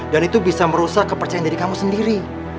dan itu bisa merusak kepercayaan diri kamu sendiri